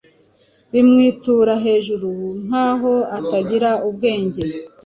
bimwitura hejuru nk’aho atagira ubwenge.